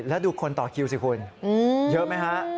แล้วดูคนต่อคิวสิคุณเยอะไหมฮะ